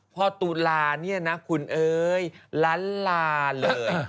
พอตุลาเนี่ยนะคุณเอ้ยล้านลาเลย